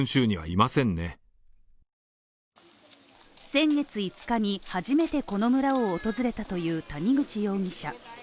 先月５日に初めてこの村を訪れたという谷口容疑者。